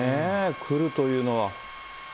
来るというのは。